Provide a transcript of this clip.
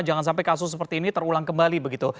jangan sampai kasus seperti ini terulang kembali begitu